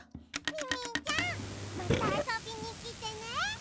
ミミィちゃんまたあそびにきてね。